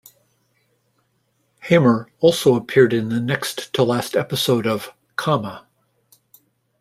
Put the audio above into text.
Haymer also appeared in the next-to-last episode of "","".